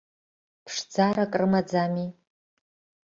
Ԥшӡарак рымаӡами?